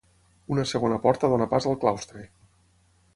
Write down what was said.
Una segona porta dóna pas al claustre.